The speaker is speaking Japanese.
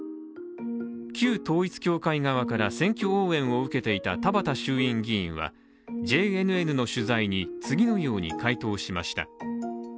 旧統一教会側から選挙応援を受けていた田畑衆院議員はＪＮＮの取材に、次のように回答しました。